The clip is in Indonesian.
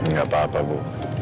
gak apa apa bu